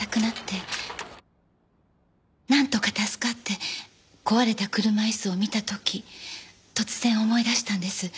なんとか助かって壊れた車椅子を見た時突然思い出したんです。